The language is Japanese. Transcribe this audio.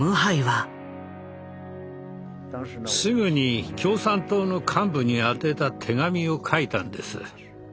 すぐに共産党の幹部に宛てた手紙を書いたんです。